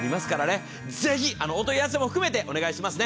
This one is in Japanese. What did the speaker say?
ぜひ、お問い合わせも含めてお願いしますね。